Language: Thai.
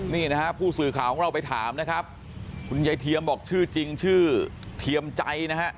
นี่นะฮะผู้สื่อข่าวของเราไปถามนะครับคุณยายเทียมบอกชื่อจริงชื่อเทียมใจนะฮะ